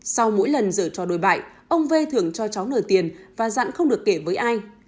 sau mỗi lần giở trò đối bại ông v thường cho cháu n tiền và dặn không được kể với ai